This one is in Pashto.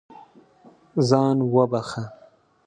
ځان وبښه.